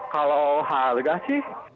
kalau harga sih